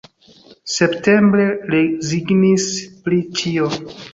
Septembre rezignis pri ĉio.